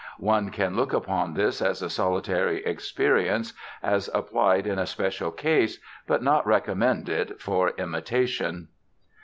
One can look upon this as a solitary experiment as applied in a special case but not recommend it for imitation."